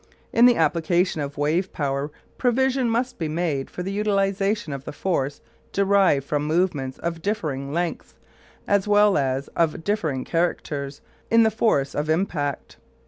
In the application of wave power provision must be made for the utilisation of the force derived from movements of differing lengths, as well as of differing characters, in the force of impact.